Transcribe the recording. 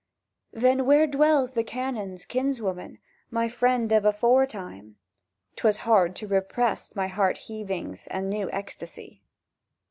—"Then, where dwells the Canon's kinswoman, My friend of aforetime?"— ('Twas hard to repress my heart heavings And new ecstasy.)